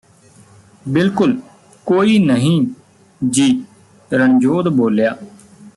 ਬਿਲਕੁਲ ਕੋਈ ਨਹੀਂ ਜੀ ਰਣਜੋਧ ਬੋਲਿਆ